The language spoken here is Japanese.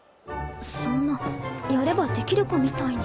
そんなやればできる子みたいに。